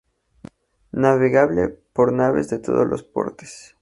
Navegable por naves de todos los portes.